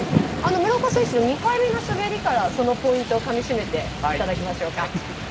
村岡選手の２回目の滑りからそのポイントをかみしめていただきましょうか。